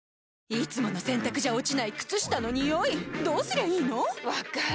いつもの洗たくじゃ落ちない靴下のニオイどうすりゃいいの⁉分かる。